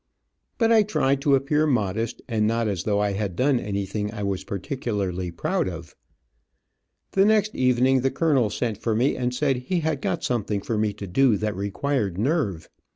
But I tried to appear modest, and not as though I had done anything I was particularly proud of. The next evening the colonel sent for me and said he had got something for me to do that required nerve.